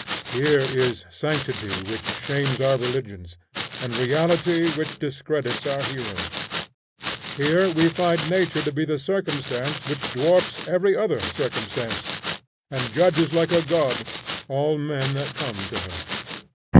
Here is sanctity which shames our religions, and reality which discredits our heroes. Here we find Nature to be the circumstance which dwarfs every other circumstance, and judges like a god all men that come to her.